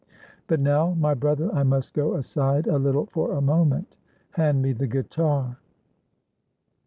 But now, my brother, I must go aside a little for a moment. Hand me the guitar."